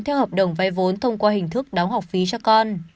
theo hợp đồng vay vốn thông qua hình thức đóng học phí cho con